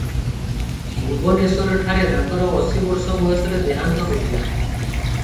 ଭୁବନେଶ୍ୱରଠାରେ ତାଙ୍କର ଅଶୀ ବର୍ଷ ବୟସରେ ଦେହାନ୍ତ ହୋଇଥିଲା ।